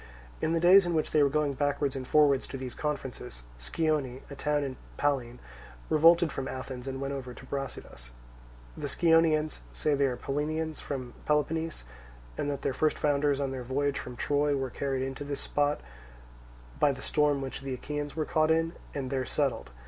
In the days in which they were going backwards and forwards to these conferences, Scione, a town in Pallene, revolted from Athens, and went over to Brasidas. The Scionaeans say that they are Pallenians from Peloponnese, and that their first founders on their voyage from Troy were carried in to this spot by the storm which the Achaeans were caught in, and there settled.